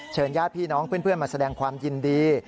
ญาติพี่น้องเพื่อนมาแสดงความยินดี